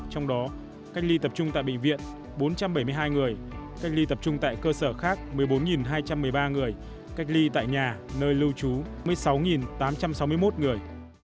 trong đó cách ly tập trung tại bệnh viện bốn trăm bảy mươi hai người cách ly tập trung tại cơ sở khác một mươi bốn hai trăm một mươi ba người cách ly tại nhà nơi lưu trú một mươi sáu tám trăm sáu mươi một người